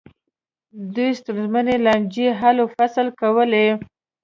دوی ستونزمنې لانجې حل و فصل کولې.